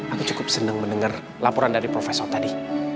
aku cukup senang mendengar laporan dari profesor tadi